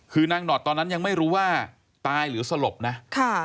คือนางหนอดตอนนั้นยังไม่รู้ว่าตายหรือสลบนะค่ะ